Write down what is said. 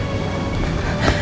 mbak fim mbak ngerasa